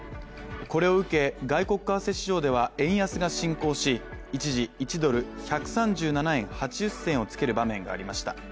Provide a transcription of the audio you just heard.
これを受け、外国為替市場では円安が進行し一時１ドル＝１３７円８０銭をつける場面がありました。